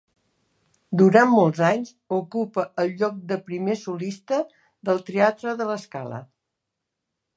Durant molts anys ocupa el lloc de primer solista del teatre de La Scala.